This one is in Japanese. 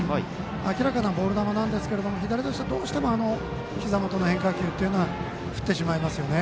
明らかなボール球なんですけど左打者はどうしてもひざ元の変化球というのは振ってしまいますよね。